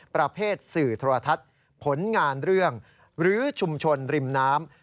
สื่อโทรทัศน์ผลงานเรื่องหรือชุมชนริมน้ำ